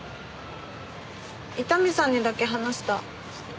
伊丹さんにだけ話した。